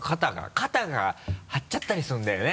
肩が張っちゃったりするんだよね